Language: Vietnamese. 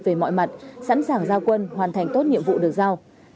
về mọi mặt sẵn sàng giao quân hoàn thành tốt nhiệm vụ được giao